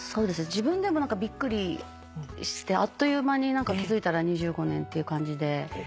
自分でもびっくりしてあっという間に気付いたら２５年っていう感じで。